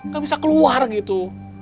gak bisa keluar gitu